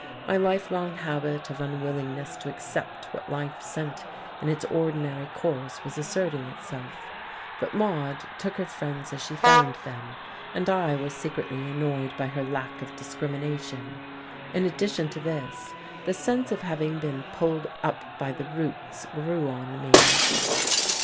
My life long habit of unwillingness to accept what life sent in its ordinary course was asserting itself; but Maude took her friends as she found them, and I was secretly annoyed by her lack of discrimination. In addition to this, the sense of having been pulled up by the roots grew upon me.